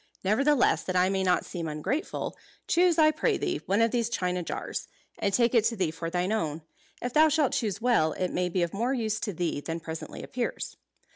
Nevertheless, that I may not seem ungrateful, choose, I pray thee, one of these china jars; and take it to thee for thine own. If thou shalt choose well, it may be of more use to thee than presently appears."